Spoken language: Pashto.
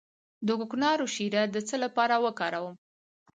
د کوکنارو شیره د څه لپاره وکاروم؟